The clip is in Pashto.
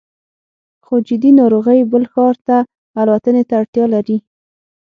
خو جدي ناروغۍ بل ښار ته الوتنې ته اړتیا لري